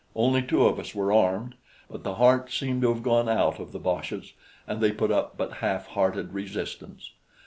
Only two of us were armed; but the heart seemed to have gone out of the boches, and they put up but half hearted resistance.